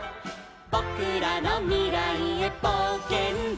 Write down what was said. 「ぼくらのみらいへぼうけんだ」